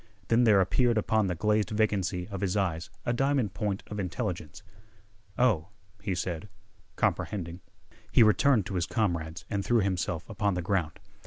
Then there appeared upon the glazed vacancy of his eyes a diamond point of intelligence. "Oh," he said, comprehending. He returned to his comrades and threw himself upon the ground.